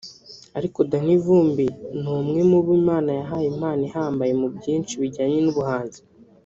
ariko Danny Vumbi ni umwe mu bo Imana yahaye impano ihambaye muri byinshi bijyanye n’ubuhanzi